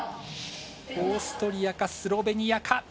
オーストリアかスロベニアか。